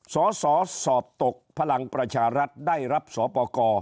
สสสอบตกพลังประชารัฐได้รับสอปกร